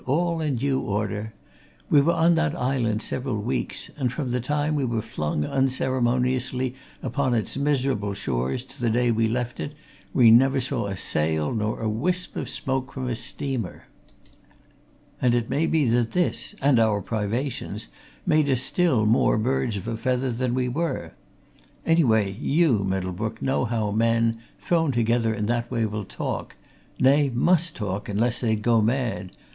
"All in due order. We were on that island several weeks, and from the time we were flung unceremoniously upon its miserable shores to the day we left it we never saw a sail nor a wisp of smoke from a steamer. And it may be that this, and our privations, made us still more birds of a feather than we were. Anyway, you, Middlebrook, know how men, thrown together in that way, will talk nay, must talk unless they'd go mad!